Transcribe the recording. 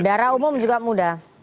dara umum juga muda